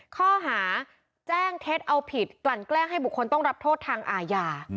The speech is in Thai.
ข้อหาแจ้งเท็จเอาผิดกลั่นแกล้งให้บุคคลต้องรับโทษทางอาญา